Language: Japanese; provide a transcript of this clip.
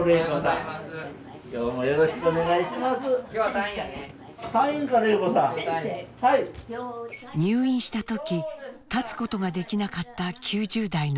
入院した時立つことができなかった９０代の女性。